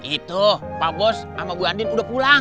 itu pak bos sama bu andin udah pulang